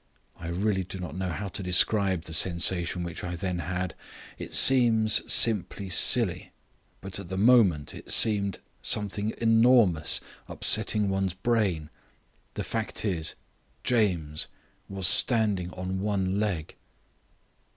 I really do not know how to describe the sensation which I then had. It seems simply silly, but at the moment it seemed something enormous, upsetting one's brain. The fact is, James was standing on one leg."